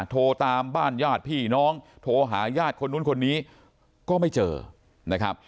โทรตามบ้านญาติพี่น้องโทรหาญาติคนนู้นคนนี้ก็ไม่เจอนะครับ